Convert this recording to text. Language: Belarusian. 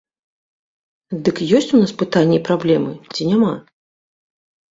Дык ёсць у нас пытанні і праблемы, ці няма?